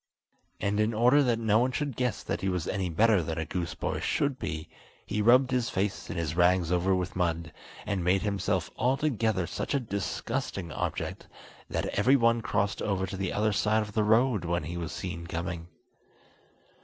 And in order that no one should guess that he was any better than a goose boy should be, he rubbed his face and his rags over with mud, and made himself altogether such a disgusting object that every one crossed over to the other side of the road when he was seen coming.